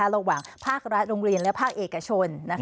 ระหว่างภาครัฐโรงเรียนและภาคเอกชน